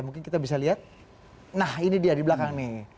mungkin kita bisa lihat nah ini dia di belakangnya